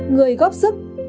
người góp sức người hỗ trợ